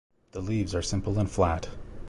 The leaves are simple and flat.